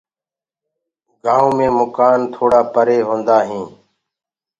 گآئونٚ مي مڪآن توڙآ پري هوندآ هين۔